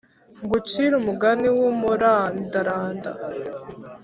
Ngucire umugani w’umurandaranda